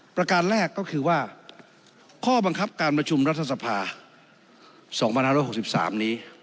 ประการแรกก็คือว่าข้อบังคับการประชุมรัฐสภา๒๕๖๓นี้